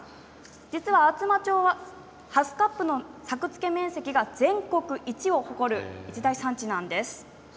実は、厚真町はハスカップの作付面積が全国１を誇る一大産地なんです。